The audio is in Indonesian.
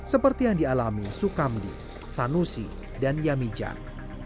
seperti yang dialami sukamdi sanusi dan yamijan